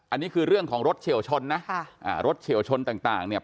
อันนี้คือเรื่องของรถเฉียวชนนะค่ะอ่ารถเฉียวชนต่างเนี่ย